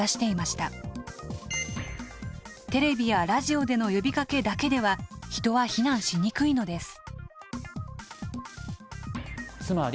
テレビやラジオでの呼びかけだけでは人は避難しにくいのです。